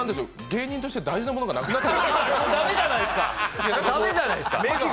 芸人として大事なものがなくなって駄目じゃないすか。